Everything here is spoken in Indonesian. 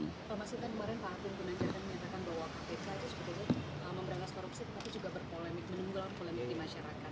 pak masyid kan kemarin pak akun pun menanyakan bahwa kpk itu sepertinya memberangkas korupsi